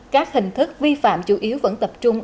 các hình thức vi phạm chủ yếu vẫn tập trung